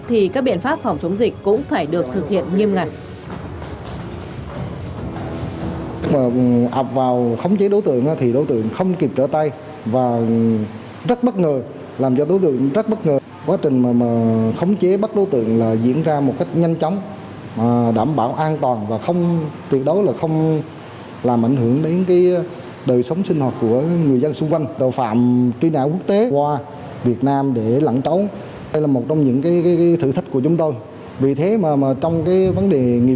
thì các biện pháp phòng chống dịch cũng phải được thực hiện nghiêm ngặt